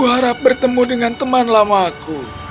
aku harap bertemu dengan teman lamaku